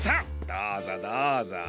どうぞどうぞ。